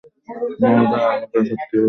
মনেহয় অ্যালেকের ক্ষেত্রেও এটা সেইম ছিল।